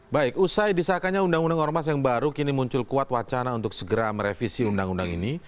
baik usai disahkannya undang undang ormas yang baru kini muncul kuat wacana untuk segera merevisi undang undang ini